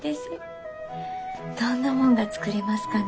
どんなもんが作れますかね？